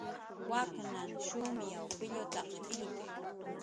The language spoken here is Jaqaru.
Wak'nhan shumyaw pillutaq illki